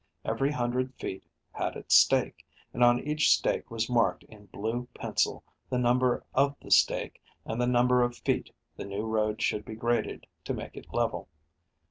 Every hundred feet had its stake, and on each stake was marked in blue pencil the number of the stake and the number of feet the new road should be graded to make it level.